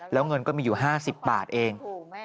แล้วเงินก็มีอยู่๕๐บาทเอง